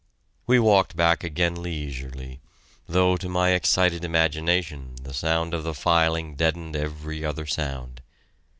We walked back again leisurely, though to my excited imagination the sound of the filing deadened every other sound.